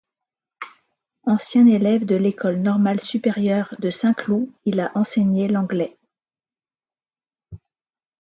Ancien élève de L’École normale supérieure de Saint-Cloud, il a enseigné l’anglais.